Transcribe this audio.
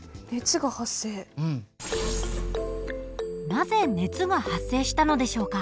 なぜ熱が発生したのでしょうか？